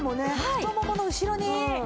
太ももの後ろに。